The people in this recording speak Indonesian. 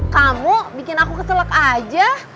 kamu bikin aku keselek aja